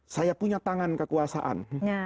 saya punya tangan kekuasaan